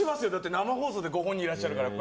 生放送でご本人いらっしゃるから。